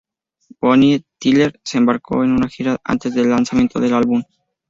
Bonnie Tyler se embarcó en una gira antes del lanzamiento del álbum.